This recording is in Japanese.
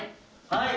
はい。